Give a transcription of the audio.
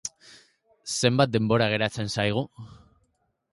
Zenbat denbora geratzen zaigu?